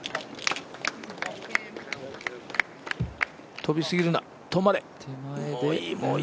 飛びすぎるな、止まれ。